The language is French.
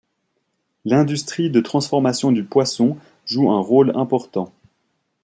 L'industrie de transformation du poisson joue un rôle important.